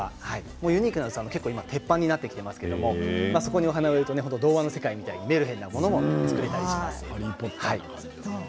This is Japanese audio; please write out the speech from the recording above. ユニークなものは鉄板になってきてますがそこに小花を入れると童話の世界のようなメルヘンなものも作れます。